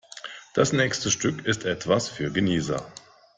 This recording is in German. Das nächste Stück ist etwas für Genießer.